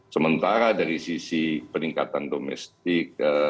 sementara dari sisi peningkatan domestik